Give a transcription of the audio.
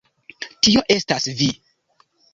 Tio estas vi?